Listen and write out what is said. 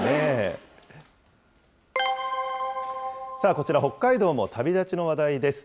こちら、北海道も旅立ちの話題です。